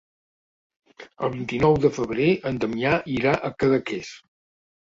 El vint-i-nou de febrer en Damià irà a Cadaqués.